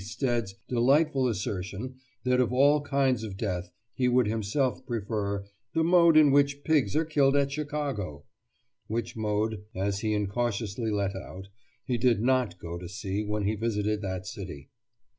Stead's delightful assertion that of all kinds of death he would himself prefer "the mode in which pigs are killed at Chicago," which mode, as he incautiously let out, he did not go to see when he visited that city.